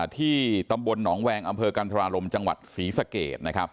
ที่ตำบลหนองแวงอำเภอกันธรารมจังหวัดศรีสะเกด